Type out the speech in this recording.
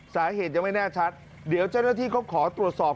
สาเหตุยังไม่แน่ชัดเดี๋ยวเจ้าหน้าที่เขาขอตรวจสอบ